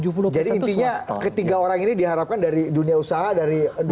jadi intinya ketiga orang ini diharapkan dari dunia usaha dari dunia pasar